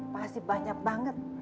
pasti banyak banget